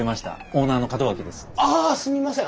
あすみません！